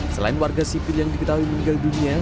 selain warga sipil yang diketahui meninggal dunia